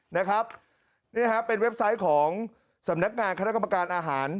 นะครับนี่ฮะเป็นเว็บไซต์ของสำนักงานคณะกรรมการอาหาร